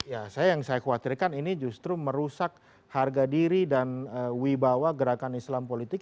ya yang saya khawatirkan ini justru merusak harga diri dan wibawa gerakan islam politik